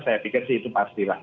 saya pikir sih itu pastilah